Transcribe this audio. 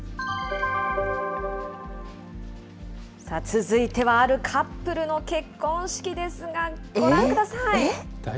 続いては、あるカップルの結婚式ですが、ご覧ください。